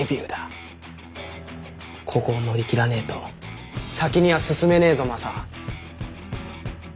ここを乗り切らねえと先には進めねえぞマサ。